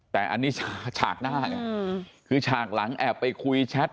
แต่อันนี้ฉากหน้าไงคือฉากหลังแอบไปคุยแชท